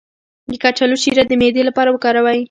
د کچالو شیره د معدې لپاره وکاروئ